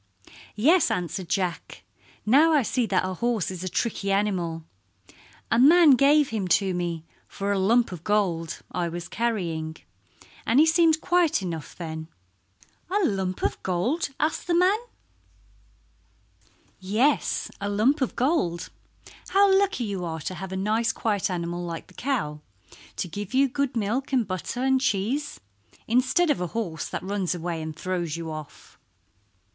"Yes," answered Jack. "Now I see that a horse is a tricky animal. A man gave him to me for a lump of gold I was carrying, and he seemed quiet enough then." "A lump of gold?" asked the man. "Yes, a lump of gold. How lucky you are to have a nice quiet animal like the cow to give you good milk and butter and cheese, instead of a horse that runs away and throws you off."